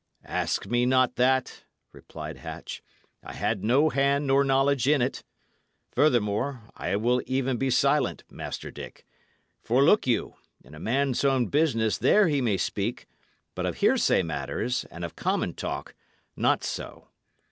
"Ask me not that," replied Hatch. "I had no hand nor knowledge in it; furthermore, I will even be silent, Master Dick. For look you, in a man's own business there he may speak; but of hearsay matters and of common talk, not so.